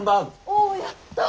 おやった！